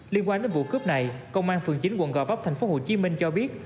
liên quan đến vụ cướp này công an phường chín quận gò vấp thành phố hồ chí minh cho biết